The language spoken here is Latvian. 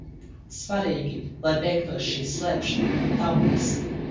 Svarīgi, lai beigtos šī slēpšana no tautas.